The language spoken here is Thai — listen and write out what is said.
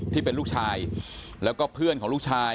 ที่เป็นลูกชายและเพื่อนลูกชาย